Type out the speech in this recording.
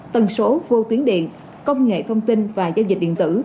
tần số vô tuyến điện công nghệ thông tin và giao dịch điện tử